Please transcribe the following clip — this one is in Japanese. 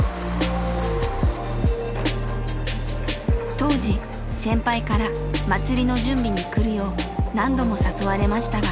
当時先輩から祭りの準備に来るよう何度も誘われましたが。